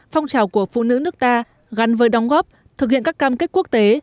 phong trào của phụ nữ nước ta gắn với đóng góp thực hiện các cam kết quốc tế